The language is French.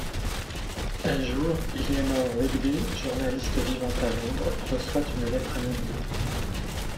Un jour, Eleanor-Rigby, journaliste vivant à Londres reçoit une lettre anonyme.